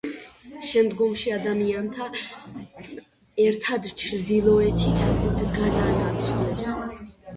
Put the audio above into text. შემდგომში ადამიანთან ერთად ჩრდილოეთით გადაინაცვლეს.